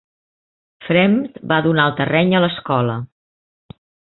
Fremd va donar el terreny a l'escola.